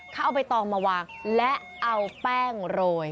เขาเอาใบตองมาวางและเอาแป้งโรย